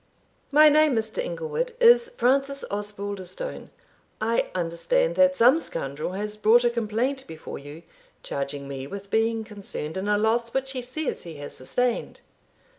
"My name, Mr. Inglewood, is Francis Osbaldistone; I understand that some scoundrel has brought a complaint before you, charging me with being concerned in a loss which he says he has sustained."